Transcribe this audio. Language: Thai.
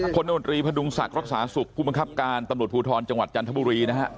คนโนตรีพดุงศักดิ์รักษาสุขผู้บังคับการตำรวจภูทรจังหวัดจันทบุรีนะฮะ